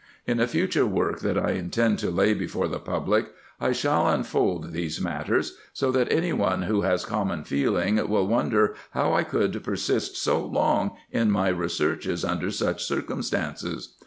In a future work, that I intend to lay before the public, I shall unfold these matters ; so that any one who has common feeling will wonder how I could persist so long in my researches under such circumstances.